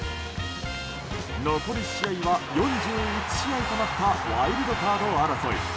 残り試合は４１試合となったワイルドカード争い。